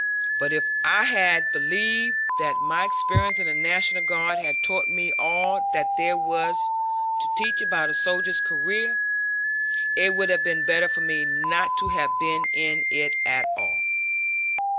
But if I had believed that my experience in the National Guard had taught me all that there was to teach about a soldier's career, it would have been better for me not to have been in it at all.